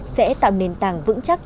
sẽ tạo nền tảng vững chắc